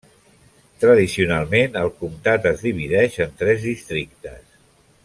Tradicionalment, el comtat es divideix en tres districtes.